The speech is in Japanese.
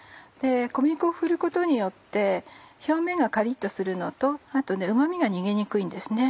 小麦粉を振ることによって表面がカリっとするのとあとうま味が逃げにくいんですね。